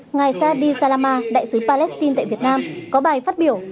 ngài sa di salama đại sứ palestine tại việt nam có bài phát biểu